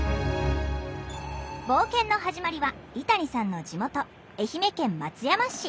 冒険の始まりは井谷さんの地元愛媛県松山市。